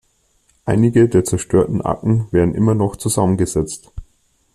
Einige der zerstörten Akten werden immer noch zusammengesetzt.